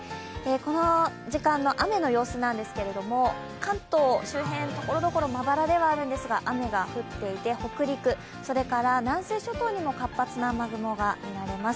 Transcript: この時間の雨の様子なんですけれども関東周辺、ところどころまばらではあるんですが雨が降っていて、北陸、それから南西諸島にも活発な雨雲が生まれます。